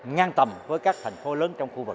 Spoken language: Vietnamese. ngang tầm với các thành phố lớn trong quốc gia